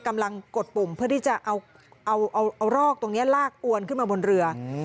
กำลังกดปุ่มเพื่อที่จะเอาเอาเอารอกตรงเนี้ยลากอวนขึ้นมาบนเรือ